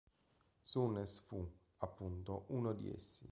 Souness fu, appunto, uno di essi.